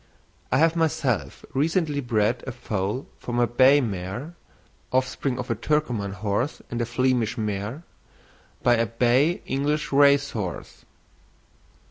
I have myself recently bred a foal from a bay mare (offspring of a Turkoman horse and a Flemish mare) by a bay English race horse.